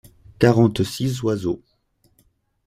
Quarante-six oiseaux.